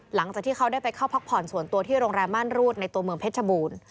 หลังจากที่เขาได้ไปเข้าพักผ่อนส่วนตัวที่โรงแรมม่านรูดในตัวเมืองเพชรบูรณ์